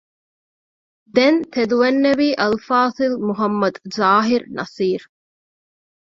ދެން ތެދުވެންނެވީ އަލްފާޟިލް މުޙައްމަދު ޒާހިރު ނަޞީރު